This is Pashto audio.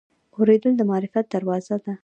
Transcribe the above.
اورېدل د معرفت دروازه ده.